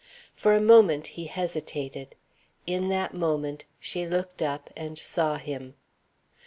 For a moment he hesitated. In that moment she looked up and saw him.